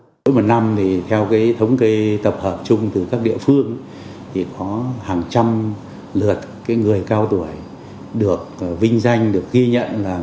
đối với một năm thì theo thống kê tập hợp chung từ các địa phương thì có hàng trăm lượt người cao tuổi được vinh danh được ghi nhận là người cao tuổi